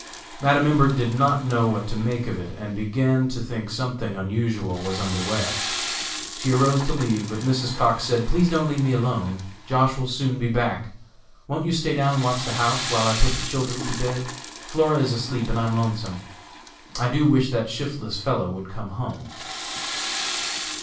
Madam Imbert did not know what to make of it, and began to think something unusual was under way. She arose to leave, but Mrs. Cox said: "Please don't leave me alone. Josh. will soon be back. Won't you stay down and watch the house, while I put the children to bed? Flora is asleep, and I am lonesome. I do wish that shiftless fellow would come home."